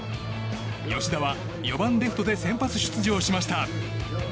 吉田は４番レフトで先発出場しました。